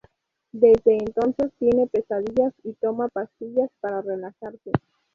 Desde entonces tiene pesadillas y toma pastillas para relajarse.